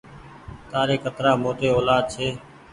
تآري ڪترآ موٽي اولآد ڇي۔